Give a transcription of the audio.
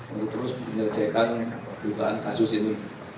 untuk terus menyelesaikan dugaan kasus ini